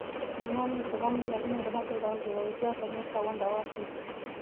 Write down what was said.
نن زموږ نجونې د هڅو او زړورتیا په مرسته ونډه واخلي.